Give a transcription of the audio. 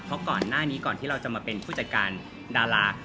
เพราะก่อนหน้านี้ก่อนที่เราจะมาเป็นผู้จัดการดารา